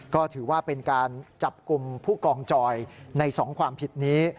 ก็ถือว่าเป็นการจับกลุ่มผู้กองจอยใน๒ความผิดนี้